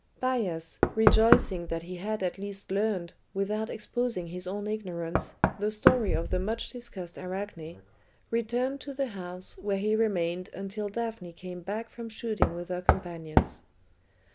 Bias, rejoicing that he had at last learned, without exposing his own ignorance, the story of the much discussed Arachne, returned to the house, where he remained until Daphne came back from shooting with her companions.